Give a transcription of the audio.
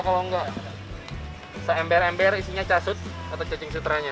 kalau tidak bisa ember ember isinya casut atau cacing sutranya